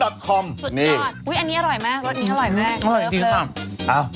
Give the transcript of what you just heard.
อร่อยตรงนี้ค่ะ